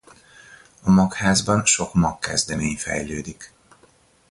A magházban sok magkezdemény fejlődik.